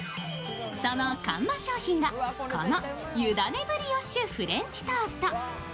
その看板商品が、この湯種ブリオッシュフレンチトースト。